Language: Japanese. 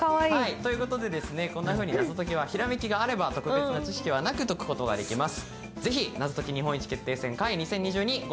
ということでですね、こんなふうに謎解きはひらめきがあれば、特別な知識はなく解くことができます。